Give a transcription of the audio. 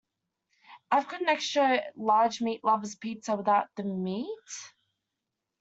I’ve got an extra large meat lover’s pizza, without the meat?